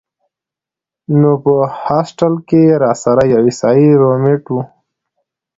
نو پۀ هاسټل کښې راسره يو عيسائي رومېټ وۀ